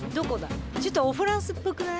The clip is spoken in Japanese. ちょっとおフランスっぽくない？